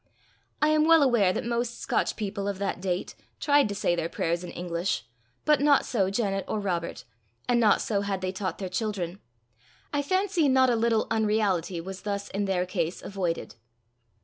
I am well aware that most Scotch people of that date tried to say their prayers in English, but not so Janet or Robert, and not so had they taught their children. I fancy not a little unreality was thus in their case avoided.